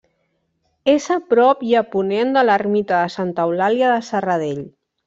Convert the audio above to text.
És a prop i a ponent de l'ermita de Santa Eulàlia de Serradell.